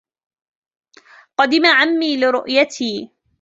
قدم عمي لرؤيتي.